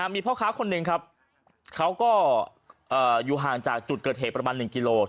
มีพ่อค้าคนหนึ่งครับเขาก็อยู่ห่างจากจุดเกิดเหตุประมาณ๑กิโล